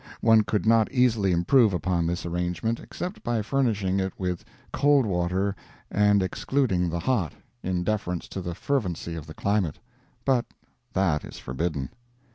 One could not easily improve upon this arrangement, except by furnishing it with cold water and excluding the hot, in deference to the fervency of the climate; but that is forbidden.